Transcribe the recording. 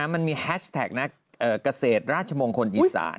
มันมีแฮชแท็กนะกเศรษฐ์ราชมงคลอีสาน